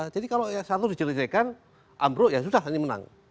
jadi kalau yang satu dijel jelikan amro ya sudah ini menang